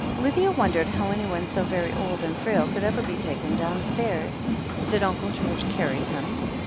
Lydia wondered how anyone so very old and frail could ever be taken downstairs. Did Uncle George carry him